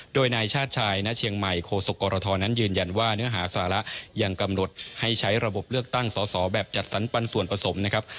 โดยนายชาติชายณเชียงใหม่โคศกรทนั้นยืนยันว่าเนื้อหาสาระยังกำหนดให้ใช้ระบบเลือกตั้งสอสอแบบจัดสรรปันส่วนผสมนะครับ